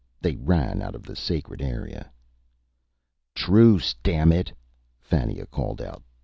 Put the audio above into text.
They ran out of the sacred area. "Truce, damn it!" Fannia called out.